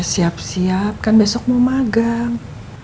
siap siap kan besok mau magang